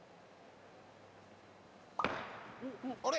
あれ？